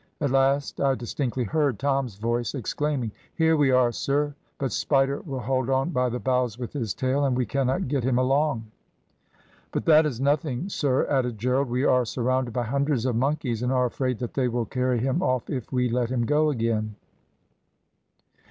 At last I distinctly heard Tom's voice, exclaiming, `Here we are, sir, but Spider will hold on by the boughs with his tail, and we cannot get him along.' "`But that is nothing, sir,' added Gerald. `We are surrounded by hundreds of monkeys, and are afraid that they will carry him off if we let him go again.'